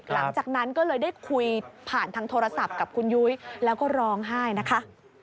หลังจากนั้นก็เลยได้คุยผ่านทางโทรศัพท์กับคุณยุ้ยแล้วก็ร้องไห้นะคะ